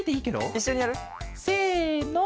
いっしょにやる？せの！